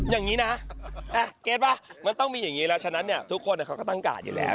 อย่างนี้นะเกรทป่ะมันต้องมีอย่างนี้แล้วฉะนั้นเนี่ยทุกคนเขาก็ตั้งกาดอยู่แล้ว